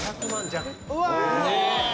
うわ。